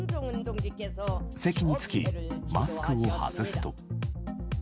席に着き、マスクを外すと。